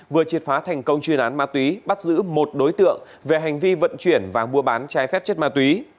vừa triệt phá thành công chuyên án ma túy bắt giữ một đối tượng về hành vi vận chuyển và mua bán trái phép chất ma túy